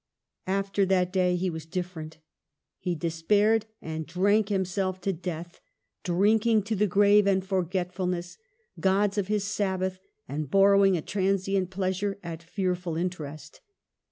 After that day he was different. He de spaired, and drank himself to death, drinking to the grave and forgetfulness, gods of his Sabbath, and borrowing a transient pleasure at fearful interest.